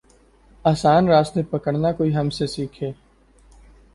آسان راستے پکڑنا کوئی ہم سے سیکھے۔